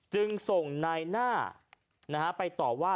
จึงส่งนายหน้าไปต่อว่า